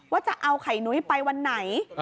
ว่าจะเอาไข่นุ้ยไปวันไหน